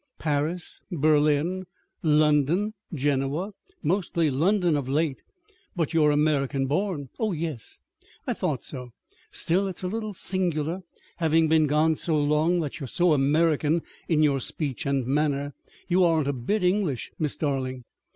"Paris, Berlin, London, Genoa, mostly London, of late." "But you are American born!" "Oh, yes." "I thought so. Still, it is a little singular, having been gone so long, that you are so American in your speech and manner. You aren't a bit English, Miss Darling."